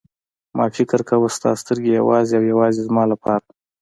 ما فکر کاوه ستا سترګې یوازې او یوازې زما لپاره.